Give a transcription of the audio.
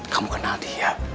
kamu kenal dia